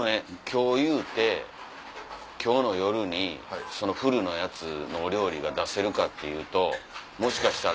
今日言うて今日の夜にそのフルのやつのお料理が出せるかっていうともしかしたら。